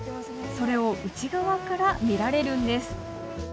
それを内側から見られるんです。